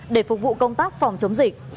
để phục vụ công tác phòng chống dịch